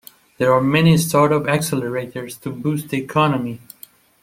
There are many startup accelerators to boost the economy.